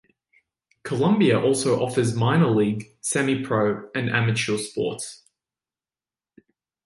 Columbia also offers minor league, semi-pro, and amateur sports.